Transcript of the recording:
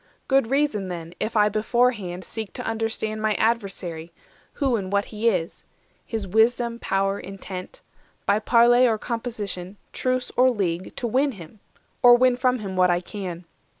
Good reason, then, if I beforehand seek To understand my adversary, who And what he is; his wisdom, power, intent; By parle or composition, truce or league, To win him, or win from him what I can.